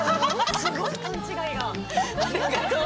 すごい勘違い。